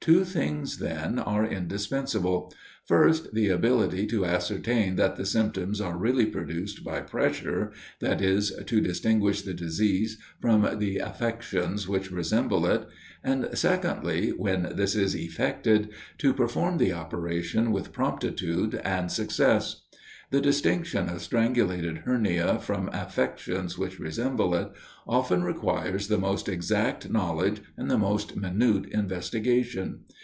Two things, then, are indispensable: first, the ability to ascertain that the symptoms are really produced by pressure, that is, to distinguish the disease from the affections which resemble it; and secondly, when this is effected, to perform the operation with promptitude and success. The distinction of strangulated hernia from affections which resemble it, often requires the most exact knowledge and the most minute investigation.